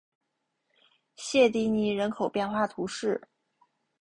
谢迪尼人口变化图示